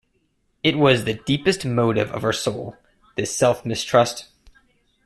It was the deepest motive of her soul, this self-mistrust.